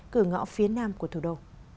cửa ngõ phía nam của thủ đô